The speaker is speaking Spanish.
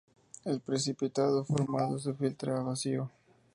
El precipitado formado se filtra a vacío.